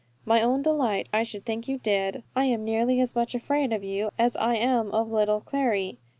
"My own delight, I should think you did. I am nearly as much afraid of you as I am of little Clary.